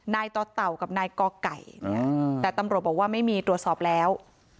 นายต่อเต่ากับนายกอไก่แต่ตำรวจบอกว่าไม่มีตรวจสอบแล้ว